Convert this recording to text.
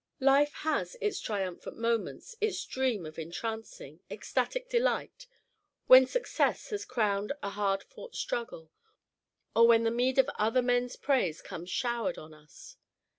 Life has its triumphant moments, its dream of entrancing, ecstatic delight, when suocess has crowned a hard fought struggle, or when the meed of other men's praise comes showered on us.